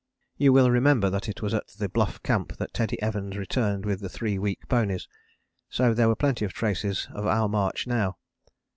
You will remember that it was at the Bluff Camp that Teddy Evans returned with the three weak ponies, so there were plenty of traces of our march now.